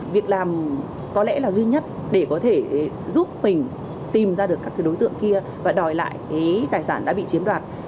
việc làm có lẽ là duy nhất để có thể giúp mình tìm ra được các đối tượng kia và đòi lại tài sản đã bị chiếm đoạt